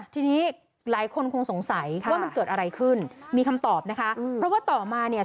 ทีนี้หลายคนคงสงสัยว่ามันเกิดอะไรขึ้นมีคำตอบนะคะเพราะว่าต่อมาเนี่ย